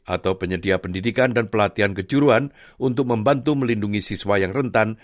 atau penyedia pendidikan dan pelatihan kejuruan untuk membantu melindungi siswa yang rentan